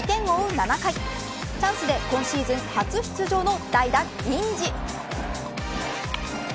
７回チャンスで今シーズン初出場の代打、銀次。